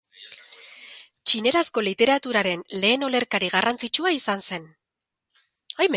Txinerazko literaturaren lehen olerkari garrantzitsua izan zen.